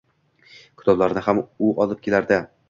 Kitoblarni ham u olib kelardi.